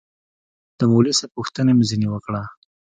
د مولوي صاحب پوښتنه مې ځنې وكړه.